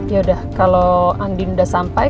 yaudah kalau andin udah sampai